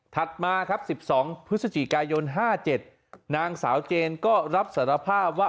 มาครับ๑๒พฤศจิกายน๕๗นางสาวเจนก็รับสารภาพว่า